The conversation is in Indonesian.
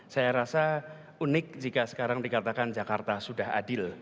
saya rasa unik jika sekarang dikatakan jakarta sudah adil